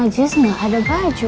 just gak ada baju